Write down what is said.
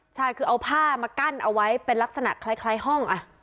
ใช่คือเอาผ้ามากั้นเอาไว้เป็นลักษณะคล้ายห้อง